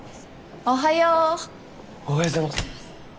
・おはよう！おはようございます。